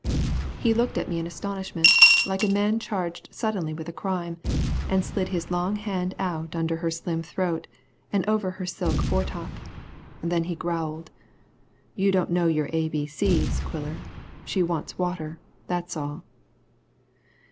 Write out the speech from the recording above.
He looked at me in astonishment, like a man charged suddenly with a crime, and slid his long hand out under her slim throat, and over her silk foretop; then he growled. "You don't know your A, B, C's, Quiller. She wants water; that's all."